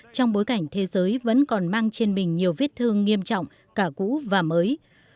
trong bối cảnh thế giới vẫn còn mang trên mình nhiều vết thương nghiêm trọng cả cũ và mới